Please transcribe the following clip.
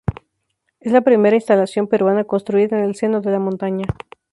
Es la primera instalación peruana construida en el seno de la montaña.